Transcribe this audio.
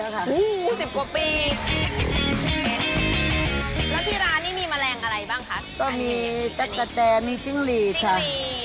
ขายมา๑๐กว่าปีแล้วค่ะ